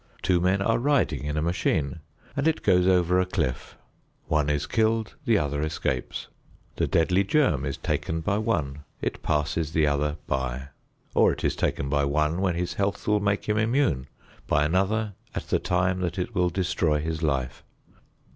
Two men are riding in a machine and it goes over a cliff; one is killed, the other escapes. The deadly germ is taken by one, it passes the other by; or, it is taken by one when his health will make him immune, by another at the time that it will destroy his life.